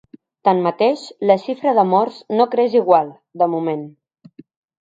Tanmateix, la xifra de morts no creix igual, de moment.